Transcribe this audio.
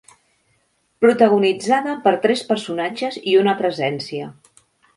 Protagonitzada per tres personatges i una presència.